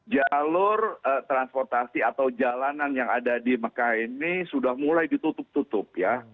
jalur transportasi atau jalanan yang ada di mekah ini sudah mulai ditutup tutup ya